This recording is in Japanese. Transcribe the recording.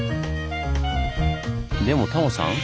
でもタモさん